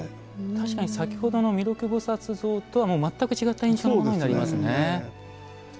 確かに先ほどの弥勒菩薩像とは全く違った印象のものになりますね。